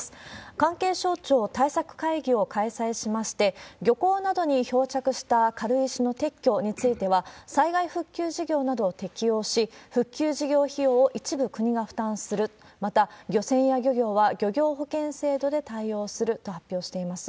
関係省庁対策会議を開催しまして、漁港などに漂着した軽石の撤去については、災害復旧事業などを適用し、復旧事業費用を一部国が負担する、また漁船や漁業は漁業保険制度で対応すると発表しています。